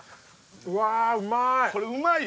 うわうまーい！